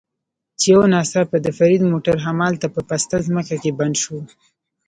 چې یو ناڅاپه د فرید موټر همالته په پسته ځمکه کې بند شو.